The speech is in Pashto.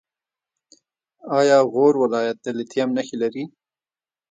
آیا غور ولایت د لیتیم نښې لري؟